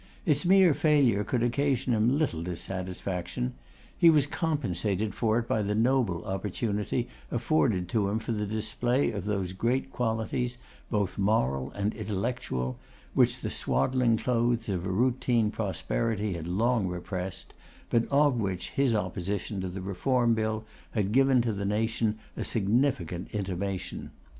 Its mere failure could occasion him little dissatisfaction; he was compensated for it by the noble opportunity afforded to him for the display of those great qualities, both moral and intellectual, which the swaddling clothes of a routine prosperity had long repressed, but of which his opposition to the Reform Bill had given to the nation a significant intimation.